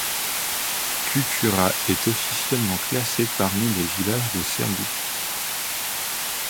Kucura est officiellement classée parmi les villages de Serbie.